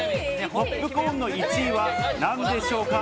ポップコーンの１位は何でしょうか？